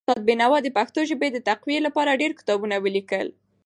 استاد بینوا د پښتو ژبې د تقويي لپاره ډېر کتابونه ولیکل.